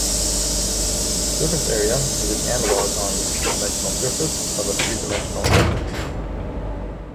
Surface area is its analog on the two-dimensional surface of a three-dimensional object.